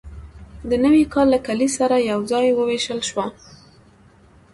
د نوي کال له کلیز سره یوځای وویشل شوه.